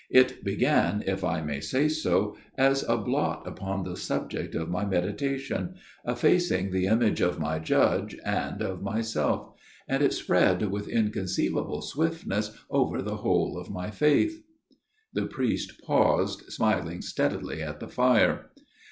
It began, if I may say so, as a blot upon the subject of my meditation, effacing the image of my Judge and of myself ; and it spread with inconceivable swiftness over the whole of my faith. ..." The priest paused, smiling steadily at the fire.